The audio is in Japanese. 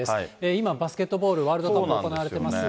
今、バスケットボールワールドカップ行われてますが。